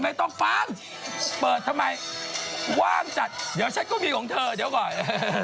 ไม่ต้องฟังเปิดทำไมว่างจัดเดี๋ยวฉันก็มีของเธอเดี๋ยวก่อน